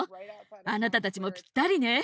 あなたたちもぴったりね。